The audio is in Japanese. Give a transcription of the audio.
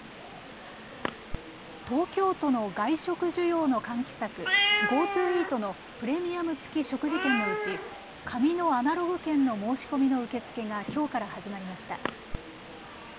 東京都の外食需要の喚起策、ＧｏＴｏイートのプレミアム付き食事券のうち紙のアナログ券の申し込みの受け付けがきょうから始まりました。